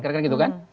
karena kan gitu kan